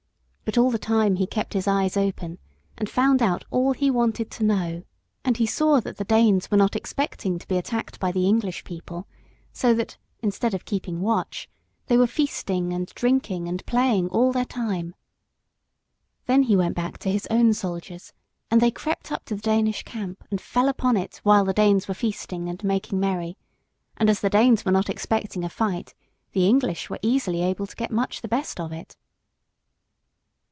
But all the time he kept his eyes open, and found out all he wanted to know. And he saw that the Danes were not expecting to be attacked by the English people, so that, instead of keeping watch, they were feasting and drinking and playing all their time. Then he went back to his own soldiers, and they crept up to the Danish camp and fell upon it while the Danes were feasting and making merry, and as the Danes were not expecting a fight, the English were easily able to get much the best of it.